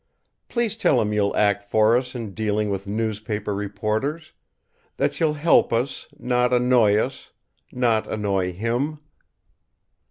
Please tell him you'll act for us in dealing with newspaper reporters; that you'll help us, not annoy us, not annoy him."